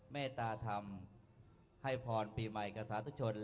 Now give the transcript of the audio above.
เมตตาธรรมให้พรปีใหม่กับสาธุชน